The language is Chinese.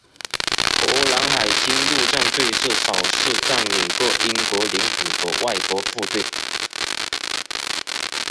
荷兰海军陆战队是少数占领过英国领土的外国部队。